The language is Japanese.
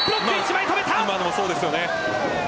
今のもそうですよね。